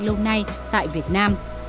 lâu nay tại việt nam